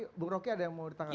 ibu roky ada yang mau ditangani